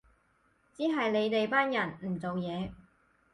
只係你哋班人唔做嘢